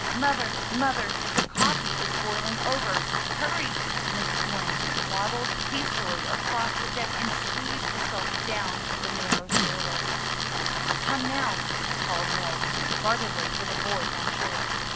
"Mother, Mother! The coffee is boiling over. Hurry!" Mrs. Lind waddled hastily across the deck and squeezed herself down the narrow stairway. lOZ MY BOOK HOUSE "Come now!'' called Nils guardedly to the boys on shore.